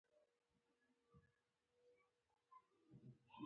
په برېټانیا کې مخروبه سیمې له رایو برخمنې شوې.